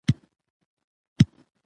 که څېړنه کتابي بڼه ولري نو تلپاتې به وي.